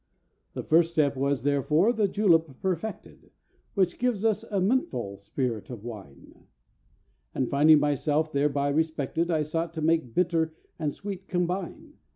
"The first step was, therefore, the julep perfected, Which gives us a menthal spirit of wine; And finding myself thereby respected, I sought to make bitter and sweet combine.